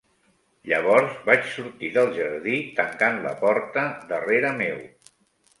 Llavors, vaig sortir del jardí, tancant la porta darrere meu.